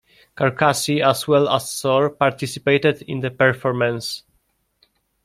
Carcassi, as well as Sor, participated in the performance.